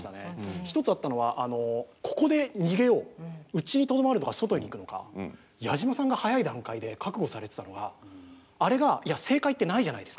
一つあったのはここで逃げよううちにとどまるのか外に行くのか矢島さんが早い段階で覚悟されてたのがあれが正解ってないじゃないですか。